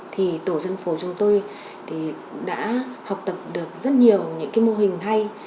thì tổ dân phố chúng tôi đã học tập được rất nhiều mô hình hay